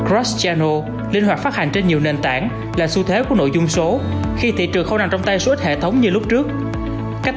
nó sẽ là thiết kế chính là